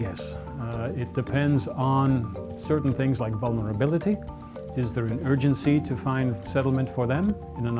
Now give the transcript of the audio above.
ini bergantung pada hal hal tertentu seperti kelemahannya apakah ada urgensi untuk menempatkan penyeludup di negara lain